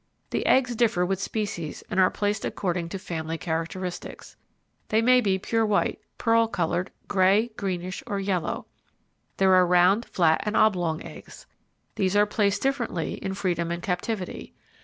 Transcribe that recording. The eggs differ with species and are placed according to family characteristics. They may be pure white, pearl coloured, grey, greenish, or yellow. There are round, flat, and oblong eggs. These are placed differently in freedom and captivity.